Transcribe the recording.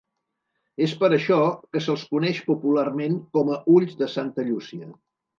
És per això que se'ls coneix popularment com a ulls de Santa Llúcia.